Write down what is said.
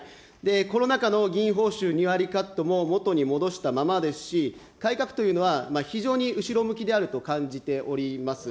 コロナ禍の議員報酬２割カットも、元に戻したままですし、改革というのは非常に後ろ向きであると感じております。